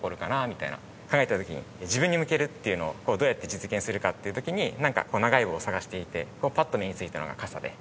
みたいな考えた時に自分に向けるっていうのをどうやって実現するかっていう時に長い棒を探していてパッと目についたのが傘で。